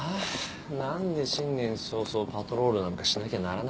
何で新年早々パトロールなんかしなきゃならないんだよ。